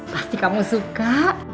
pasti kamu suka